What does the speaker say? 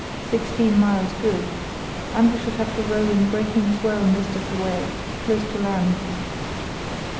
"Sixteen miles good. And we should have to row in a breaking swell most of the way, close to land."